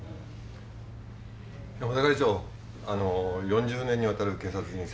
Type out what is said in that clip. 山田係長４０年にわたる警察人生